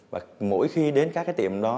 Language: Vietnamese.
và mỗi khi đến các cái tiệm đó